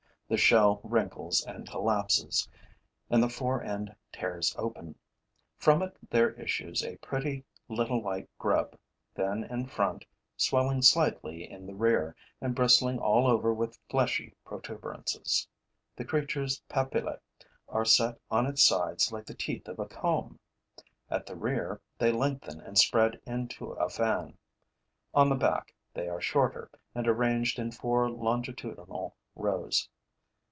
The shell wrinkles and collapses; and the fore end tears open. From it there issues a pretty little white grub, thin in front, swelling slightly in the rear and bristling all over with fleshy protuberances. The creature's papillae are set on its sides like the teeth of a comb; at the rear, they lengthen and spread into a fan; on the back, they are shorter and arranged in four longitudinal rows.